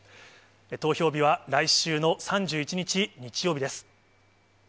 投票日は、来週の３１日日曜日です。